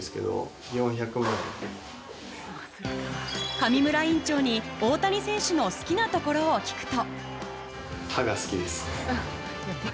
上村院長に大谷選手の好きなところを聞くと。